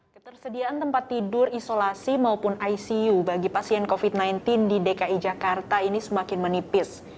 ketersediaan tempat tidur isolasi maupun icu bagi pasien covid sembilan belas di dki jakarta ini semakin menipis